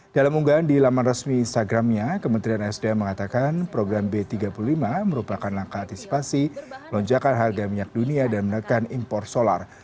dalam unggahan di laman resmi instagramnya kementerian sdm mengatakan program b tiga puluh lima merupakan langkah antisipasi lonjakan harga minyak dunia dan menekan impor solar